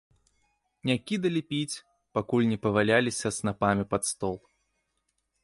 Не кідалі піць, пакуль не паваляліся снапамі пад стол.